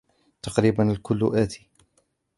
تقريبا الكل اتي